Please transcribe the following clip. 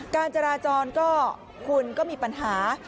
การจราจรก็คุณก็มีปัญหา